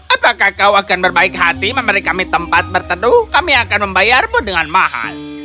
apakah kau akan berbaik hati memberi kami tempat berteduh kami akan membayarmu dengan mahal